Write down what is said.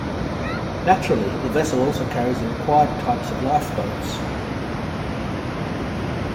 Naturally the vessel also carries the required types of life boats.